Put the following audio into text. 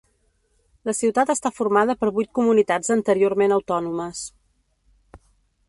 La ciutat està formada per vuit comunitats anteriorment autònomes.